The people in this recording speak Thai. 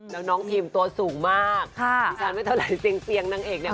แล้วน้องทีมตัวสูงมากดิฉันไม่เท่าไหร่เตียงนางเอกเนี่ย